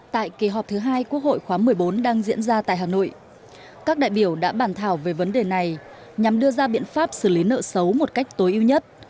tại kỳ họp thứ hai quốc hội khóa một mươi bốn đang diễn ra tại hà nội các đại biểu đã bàn thảo về vấn đề này nhằm đưa ra biện pháp xử lý nợ xấu một cách tối ưu nhất